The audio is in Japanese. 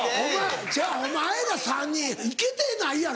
違うお前ら３人イケてないやろ？